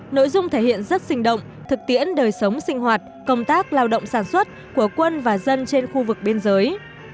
nội dung thể hiện rất sinh động thực tiễn đời sống sinh hoạt công tác lao động sản xuất của quân và dân trên khu vực biên giới